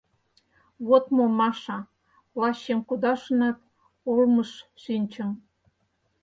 — Вот мо, Маша, — плащем кудашынат, олмыш шинчым.